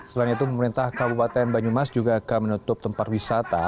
selain itu pemerintah kabupaten banyumas juga akan menutup tempat wisata